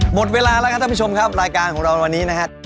หมดเวลาแล้วครับท่านผู้ชมครับรายการของเราในวันนี้นะครับ